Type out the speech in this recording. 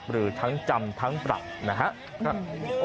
หรือทั้งจำทั้งปรับนะครับ